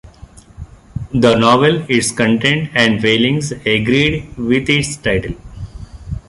The novel, its content and feelings agreed with its title.